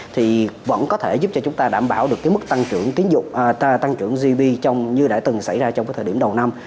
thì vẫn có thể giúp cho chúng ta đảm bảo được mức tăng trưởng gdp như đã từng xảy ra trong thời điểm đầu năm